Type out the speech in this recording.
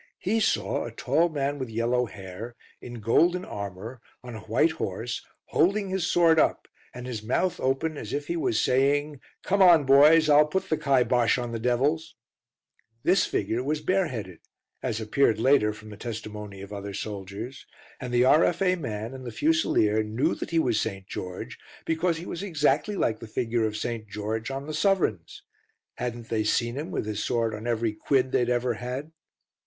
He saw a tall man with yellow hair, in golden armour, on a white horse, holding his sword up, and his mouth open as if he was saying, "Come on, boys! I'll put the kybosh on the devils" This figure was bareheaded as appeared later from the testimony of other soldiers and the R.F.A. man and the Fusilier knew that he was St. George, because he was exactly like the figure of St. George on the sovereigns. "Hadn't they seen him with his sword on every 'quid' they'd ever had?"